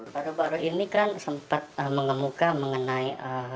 baru baru ini kan sempat mengemuka mengenai